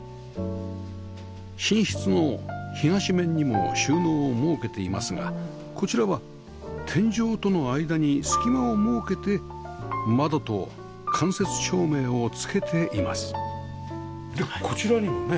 寝室の東面にも収納を設けていますがこちらは天井との間に隙間を設けて窓と間接照明を付けていますでこちらにもね。